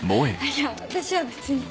いや私は別に。